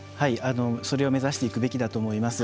それを目指していくべきだと思います。